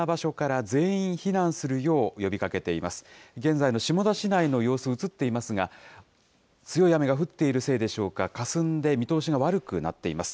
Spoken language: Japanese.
現在の下田市内の様子、映っていますが、強い雨が降っているせいでしょうか、かすんで見通しが悪くなっています。